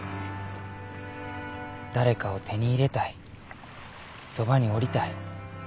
誰かを手に入れたいそばにおりたい。